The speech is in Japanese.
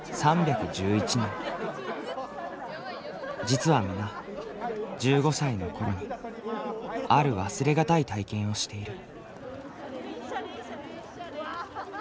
実は皆１５歳のころにある忘れがたい体験をしている。